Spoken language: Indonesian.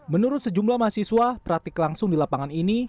menurut sejumlah mahasiswa praktik langsung di lapangan ini